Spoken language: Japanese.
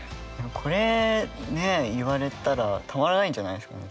これね言われたらたまらないんじゃないんですかね？